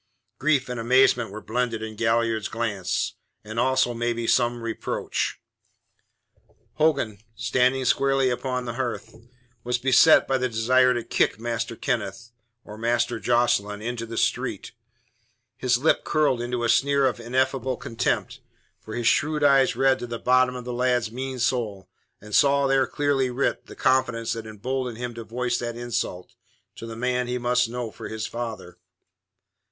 Grief and amazement were blended in Galliard's glance, and also, maybe, some reproach. Hogan, standing squarely upon the hearth, was beset by the desire to kick Master Kenneth, or Master Jocelyn, into the street. His lip curled into a sneer of ineffable contempt, for his shrewd eyes read to the bottom of the lad's mean soul and saw there clearly writ the confidence that emboldened him to voice that insult to the man he must know for his father.